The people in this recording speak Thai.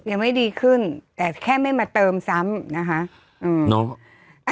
ยังไม่ดีขึ้นแต่แค่ไม่มาเติมซ้ำนะคะ